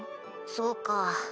そうか。